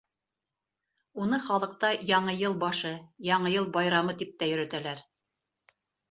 Уны халыҡта Яңы йыл башы, Яңы йыл байрамы тип тә йөрөтәләр.